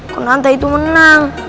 kunanta itu menang